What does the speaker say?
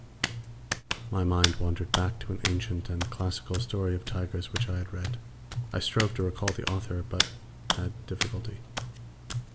My mind wandered back to an ancient and classical story of tigers which I had read; I strove to recall the author, but had difficulty.